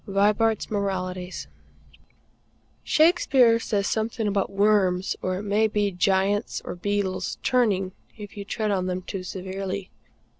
Vibart's Moralities. Shakespeare says something about worms, or it may be giants or beetles, turning if you tread on them too severely.